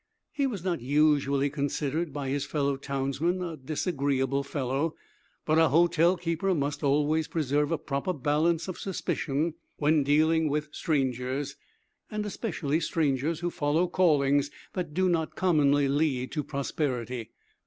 He was not usually considered, by his fellow townsmen, a disagreeable fellow, but a hotel keeper must always preserve a proper balance of suspicion when dealing with strangers, and especially strangers who follow callings that do not commonly lead to prosperity.